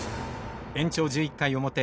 延長１１回表。